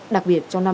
đặc biệt cho năm nay